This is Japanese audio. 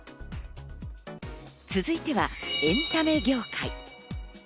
続いてはエンタメ業界。